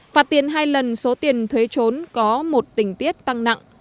phạt tiền hai lần số tiền thuế trốn có một tình tiết tăng nặng